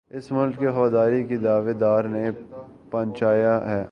اس ملک کے وفاداری کے دعوے داروں نے پہنچایا ہے